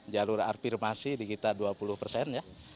jalur arpir masih di kita dua puluh persen